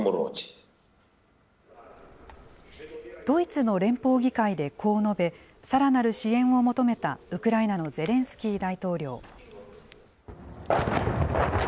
ドイツの連邦議会でこう述べ、さらなる支援を求めたウクライナのゼレンスキー大統領。